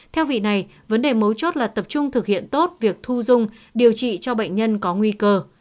theo vị này vấn đề mấu chốt là tập trung thực hiện tốt việc thu dung điều trị cho bệnh nhân có nguy cơ